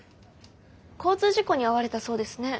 交通事故に遭われたそうですね。